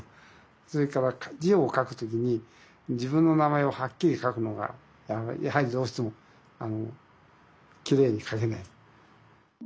それから字を書くときに自分の名前をはっきり書くのがやはりどうしてもきれいに書けない。